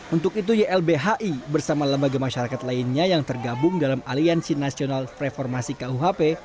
untuk itu ylbhi bersama lembaga masyarakat lainnya yang tergabung dalam aliansi nasional reformasi kuhp